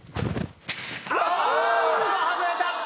外れた！